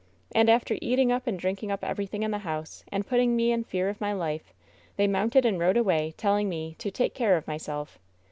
— and after eating up and drinking up everything in the house, and putting me in fear of my life, they mounted and rode away, telling me ^to take care of myself